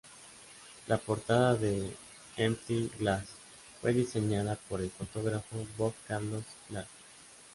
La portada de "Empty Glass" fue diseñada por el fotógrafo Bob Carlos Clarke.